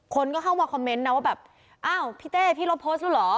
คนก็เข้ามาคอมเมนต์นะว่าแบบอ้าวพี่เต้พี่ลบโพสต์แล้วเหรอ